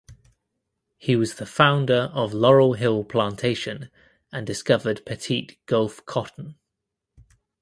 He was the founder of Laurel Hill Plantation and discovered Petit Gulf cotton.